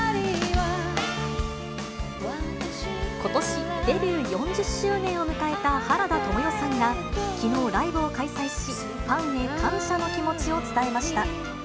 ことし、デビュー４０周年を迎えた原田知世さんが、きのうライブを開催し、ファンに感謝の気持ちを伝えました。